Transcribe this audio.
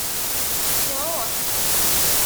Iṛuḥ.